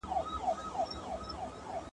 ویل جار دي تر نامه سم مُلاجانه ..